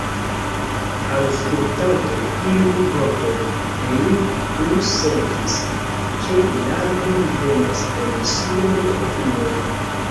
Aŭskultante tiujn vortojn, Liu sentis, ke larmoj venas en ŝiajn okulojn.